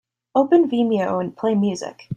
Open Vimeo and play music.